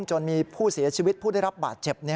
จนมีผู้เสียชีวิตผู้ได้รับบาดเจ็บ